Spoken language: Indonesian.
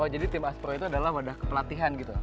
jadi tim aspro itu adalah wadah kepelatihan gitu